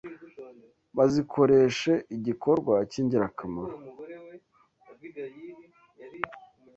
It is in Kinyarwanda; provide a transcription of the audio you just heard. bazikoreshe igikorwa cy’ingirakamaro